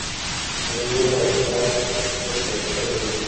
په مور او پلار کور ښایسته دی